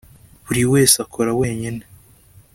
buri wese akora wenyine.